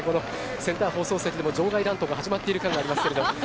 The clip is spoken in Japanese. センター放送席でも場外乱闘が始まっている感がありますけど。